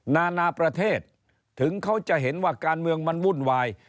นานาประเทศถึงเขาจะเห็นว่าการเมืองมันวุ่นวาย